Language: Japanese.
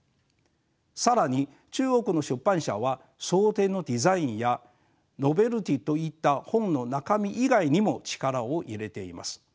更に中国の出版社は装丁のデザインやノベルティーといった本の中身以外にも力を入れています。